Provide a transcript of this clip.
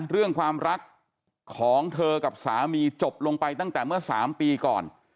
เรื่องความรักของเธอกับสามีจบลงไปตั้งแต่เมื่อ๓ปีก่อน